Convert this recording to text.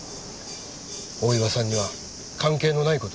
大岩さんには関係のない事です。